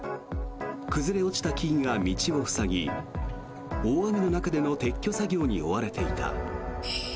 崩れ落ちた木々が道を塞ぎ大雨の中での撤去作業に追われていた。